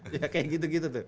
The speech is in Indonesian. ya kayak gitu gitu tuh